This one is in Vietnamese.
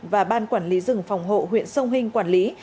và ban quản lý rừng phòng hộ huyện sông hinh quản lý